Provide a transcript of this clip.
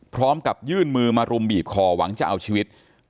พร้อมกับยื่นมือมารุมบีบคอหวังจะเอาชีวิต